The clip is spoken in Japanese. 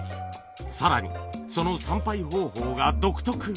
さらにその参拝方法が独特